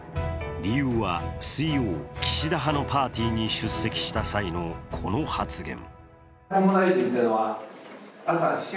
理由は水曜、岸田派のパーティーに出席した際のこの発言。